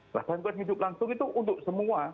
nah bantuan hidup langsung itu untuk semua